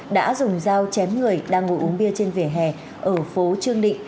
đã dùng dao chém người đang ngồi uống bia trên vỉa hè ở phố trương định